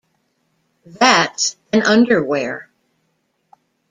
That's an underwear.